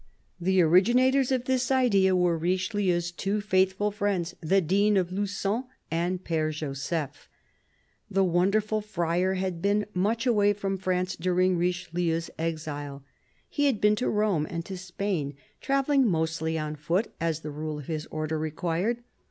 The originators of this idea were Richelieu's two faithful friends, the Dean of Lugon and Pfere Joseph. The wonderful friar had been much away from France during Richelieu's exile. He had been to Rome and to Spain, travelling mostly on foot, as the rule of his Order required.